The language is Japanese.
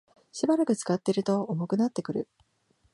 しばらく使っていると重くなってくる